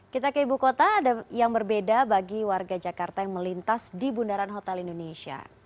kita ke ibu kota ada yang berbeda bagi warga jakarta yang melintas di bundaran hotel indonesia